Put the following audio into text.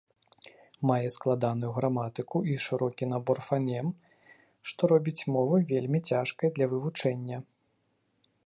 Мае складаную граматыку і шырокі набор фанем, што робіць мовы вельмі цяжкай для вывучэння.